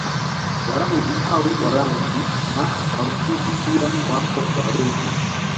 Warangi au Walangi na Warufiji pia wapo Warungi